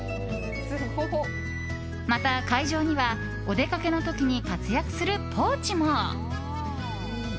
また、会場にはお出かけの時に活躍するポーチも。